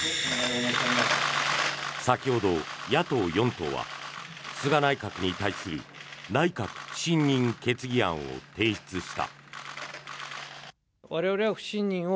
先ほど、野党４党は菅内閣に対する内閣不信任決議案を提出した。